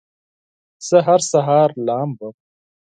زه هر سهار لامبم